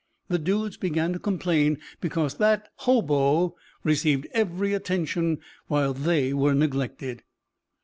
The dudes began to complain because that "hobo" received every attention while they were neglected.